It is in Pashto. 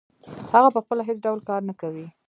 هغه پخپله هېڅ ډول کار نه کوي